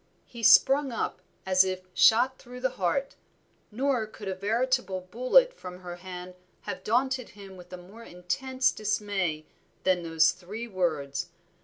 He sprung up as if shot through the heart, nor could a veritable bullet from her hand have daunted him with a more intense dismay than those three words.